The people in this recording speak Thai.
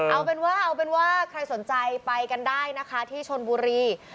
เอาเป็นว่าเอาเป็นว่าใครสนใจไปกันได้นะคะที่ชนบุรี